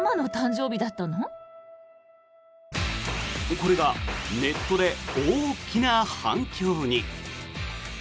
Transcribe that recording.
これがネットで大きな反響に。